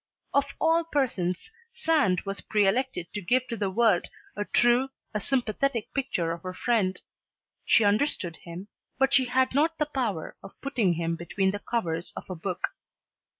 Of all persons Sand was pre elected to give to the world a true, a sympathetic picture of her friend. She understood him, but she had not the power of putting him between the coversof a book.